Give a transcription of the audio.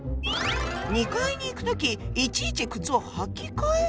２階に行く時いちいち靴を履き替える？